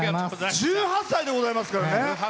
１８歳でございますからね。